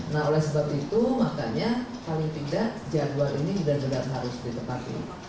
nah oleh sebab itu makanya paling tidak jadwal ini benar benar harus ditepati